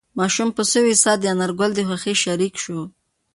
ماشوم په سوې ساه د انارګل د خوښۍ شریک شو.